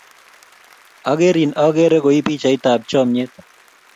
Akerin akere koi pichaiyat ap chomyet.